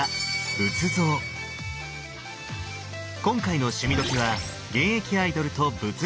今回の「趣味どきっ！」は現役アイドルと仏像旅。